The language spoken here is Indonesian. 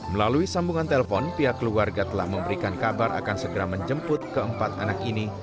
melalui sambungan telpon pihak keluarga telah memberikan kabar akan segera menjemput keempat anak ini